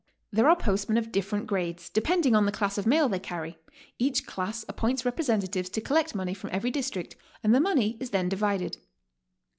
There are postmen of different grades, depending on the class of mail they carry; each class appoints representatives to collect money from every district, and the money is then divided.